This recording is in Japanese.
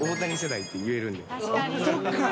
そっか。